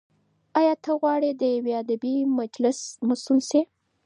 ایا ته غواړې د یوې ادبي مجلې مسول شې؟